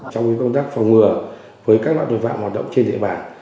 trong công tác phòng ngừa với các loại đột vạng hoạt động trên địa bàn